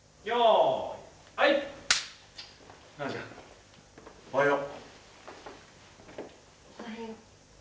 おはよう。